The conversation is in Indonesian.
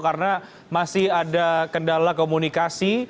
karena masih ada kendala komunikasi